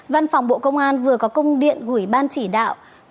văn phòng bộ công an vừa có công điện gửi ban chỉ đạo